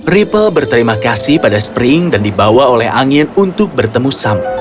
ripple berterima kasih pada spring dan dibawa oleh angin untuk bertemu sam